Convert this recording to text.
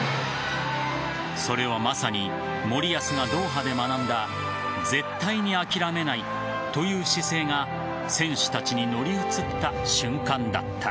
それはまさに森保がドーハで学んだ絶対に諦めないという姿勢が選手たちに乗り移った瞬間だった。